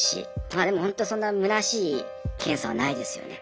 まあでもほんとそんなむなしい検査はないですよね。